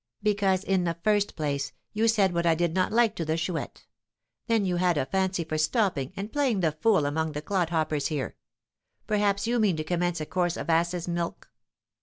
"Because, in the first place, you said what I did not like to the Chouette; then you had a fancy for stopping and playing the fool among the clodhoppers here. Perhaps you mean to commence a course of asses' milk?"